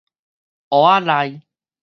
湖仔內